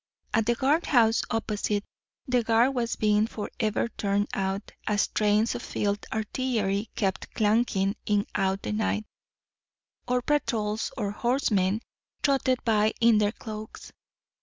At the guard house opposite, the guard was being for ever turned out, as trains of field artillery kept clanking in out of the night, or patrols of horsemen trotted by in their cloaks.